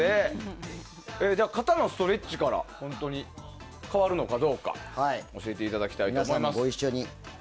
肩のストレッチから本当に変わるのかどうか教えていただきたいと思います。